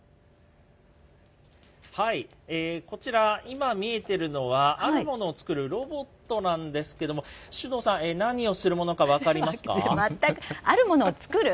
こちら、今見えているのは、あるものを作るロボットなんですけども、首藤さん、全く、あるものを作る？